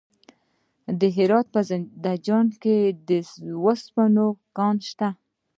د هرات په زنده جان کې د وسپنې کان شته.